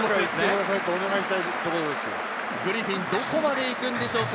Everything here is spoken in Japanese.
グリフィン、どこまで行くんでしょうか？